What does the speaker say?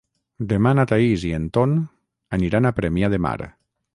Demà na Thaís i en Ton aniran a Premià de Mar.